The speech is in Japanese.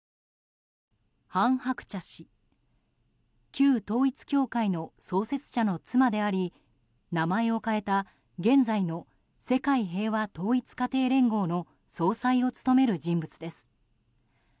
旧統一教会の創設者の妻であり名前を変えた現在の世界平和統一家庭連合の総裁を務める人物です。